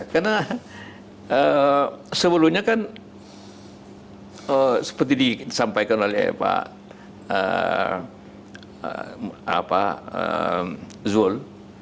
karena sebelumnya kan seperti disampaikan oleh pak zul